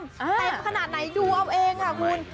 เต็มขนาดไหนดูเอาเองค่ะคุณ